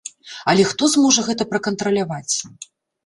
Але хто зможа гэта пракантраляваць?